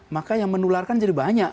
maka yang menularkan jadi banyak